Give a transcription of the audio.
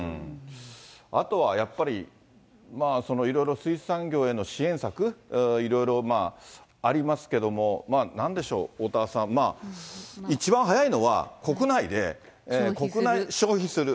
あとはやっぱり、いろいろ水産業への支援策、いろいろまあ、ありますけども、なんでしょう、おおたわさん、一番早いのは国内で消費する。